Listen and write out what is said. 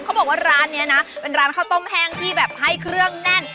เขาบอกว่าร้านนี้นะเป็นร้านข้าวต้มแห้งที่แบบให้เครื่องแน่น